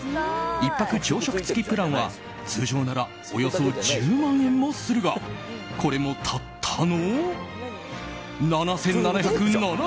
１泊朝食付きプランは通常ならおよそ１０万円もするがこれも、たったの７７７７円。